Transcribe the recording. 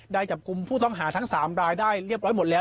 จับกลุ่มผู้ต้องหาทั้ง๓รายได้เรียบร้อยหมดแล้ว